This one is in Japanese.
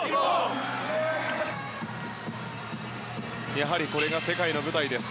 やはりこれが世界の舞台です。